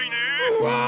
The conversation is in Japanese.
うわ！